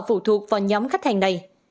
phụ thuộc vào nhóm khách hàng này